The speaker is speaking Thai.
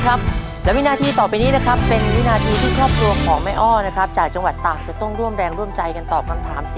และวินาทีต่อไปนี้นะครับเป็นวินาทีที่ครอบครัวของแม่อ้อนะครับจากจังหวัดตากจะต้องร่วมแรงร่วมใจกันตอบคำถาม